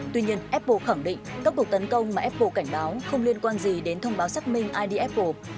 tuy nhiên apple khẳng định các cuộc tấn công mà apple cảnh báo không liên quan gì đến thông báo xác minh id apple